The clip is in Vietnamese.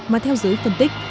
mà theo giới phân tích